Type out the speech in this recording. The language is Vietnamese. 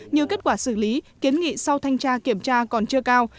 như kết quả xử lý kiến nghị sau thanh tra kiểm tra còn chưa cao